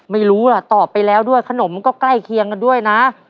ไม่รู้ล่ะตอบไปแล้วด้วยขนมมันก็ใกล้เคียงกันด้วยนะ